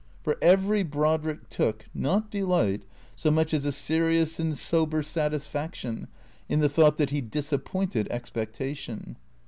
For every Brodrick took, not delight, so much as a serious and sober satisfaction, in the thought that he disappointed expecta tion.